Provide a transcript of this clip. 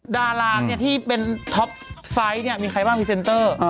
ดาราที่เป็นท็อปไฟต์มีใครบ้างพรีเซนเตอร์